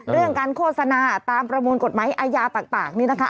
เรื่องการโฆษณาตามประมวลกฎหมายอาญาต่างนี่นะคะ